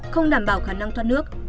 không đảm bảo khả năng thoát nước